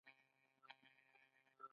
آیا کاناډا د سافټویر شرکتونه نلري؟